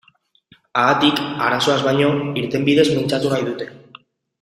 Haatik, arazoaz baino, irtenbideez mintzatu nahi dute.